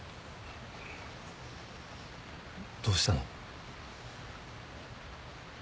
どうしたの？